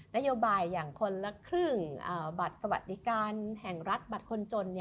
นโยบายอย่างคนละครึ่งบัตรสวัสดิการแห่งรัฐบัตรคนจน